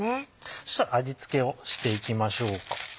そしたら味付けをしていきましょう。